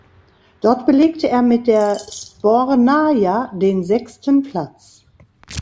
Dort belegte er mit der "Sbornaja" den sechsten Platz.